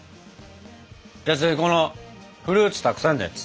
じゃあ次このフルーツたくさんのやつ。